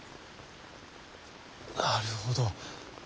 なるほど。